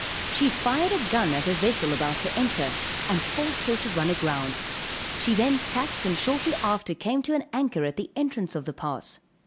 She fired a gun at a vessel about to enter, and forced her to run aground; she then tacked and shortly after came to an anchor at the entrance of the pass.